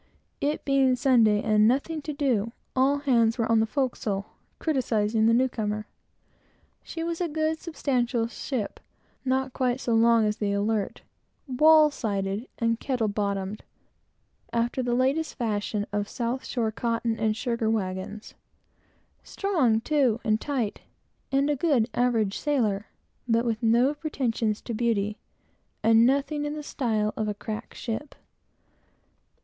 It being Sunday, and nothing to do, all hands were on the forecastle, criticising the new comer. She was a good, substantial ship, not quite so long as the Alert, and wall sided and kettle bottomed, after the latest fashion of south shore cotton and sugar wagons; strong, too, and tight, and a good average sailor, but with no pretensions to beauty, and nothing in the style of a "crack ship."